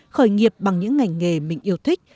khởi nghiệp bằng những ngành nghề mình yêu thích